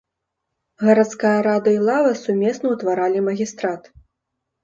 Гарадская рада і лава сумесна ўтваралі магістрат.